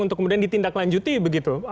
untuk kemudian ditindaklanjuti begitu